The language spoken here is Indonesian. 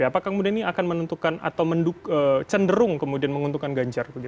apakah kemudian ini akan menentukan atau cenderung kemudian menguntungkan ganjar